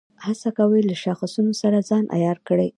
هڅه کوي له شاخصونو سره ځان عیار کړي.